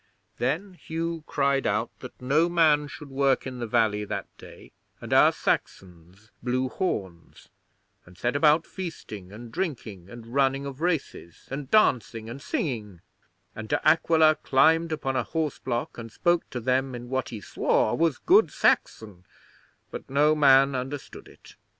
Then Hugh cried out that no man should work in the valley that day, and our Saxons blew horns, and set about feasting and drinking, and running of races, and dancing and singing; and De Aquila climbed upon a horse block and spoke to them in what he swore was good Saxon, but no man understood it.